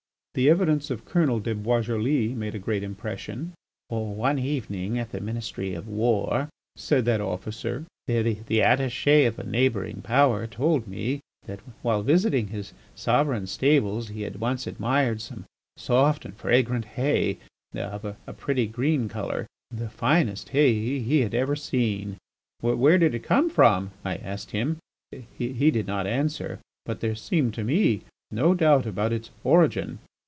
The evidence of Colonel de Boisjoli made a great impression. "One evening at the Ministry of War," said that officer, "the attaché of a neighbouring Power told me that while visiting his sovereign's stables he had once admired some soft and fragrant hay, of a pretty green colour, the finest hay he had ever seen! 'Where did it come from?' I asked him. He did not answer, but there seemed to me no doubt about its origin.